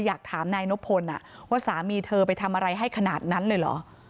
อยากถามนายนพลว่าสามีเธอไปทำอะไรให้ขนาดนั้นเลยเหรอ